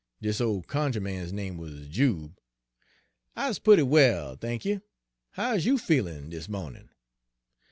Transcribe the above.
dis ole cunjuh man's name wuz Jube. 'I's p'utty well, I thank you. How is you feelin' dis mawnin'?'